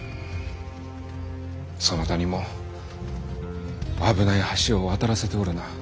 そなたにも危ない橋を渡らせておるな。